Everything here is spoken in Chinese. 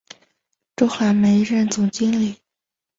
周寒梅任经理。